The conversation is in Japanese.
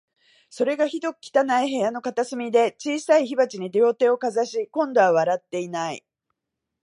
それが、ひどく汚い部屋の片隅で、小さい火鉢に両手をかざし、今度は笑っていない